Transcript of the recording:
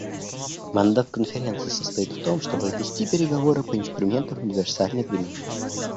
Мандат Конференции состоит в том, чтобы вести переговоры по инструментам универсальной применимости.